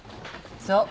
そう。